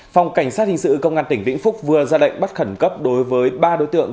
phòng cảnh sát hình sự công an tỉnh vĩnh phúc vừa ra lệnh bắt khẩn cấp đối với ba đối tượng